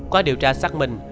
qua điều tra xác minh